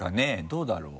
どうだろう。